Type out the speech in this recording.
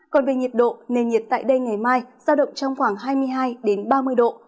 còn về nhiệt độ nền nhiệt tại đây ngày mai giao động trong khoảng hai mươi hai ba mươi độ